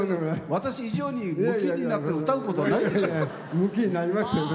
私以上にむきになって歌うことないでしょ。